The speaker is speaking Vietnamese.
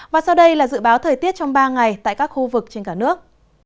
và sau đây là dự báo thời tiết trong ba ngày tại các khu vực trên cả nước